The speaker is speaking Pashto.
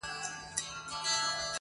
نجلۍ نه وه شاه پري وه ګلدسته وه-